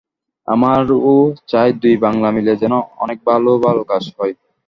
আমরাও চাই দুই বাংলা মিলে যেন অনেক ভালো ভালো কাজ হয়।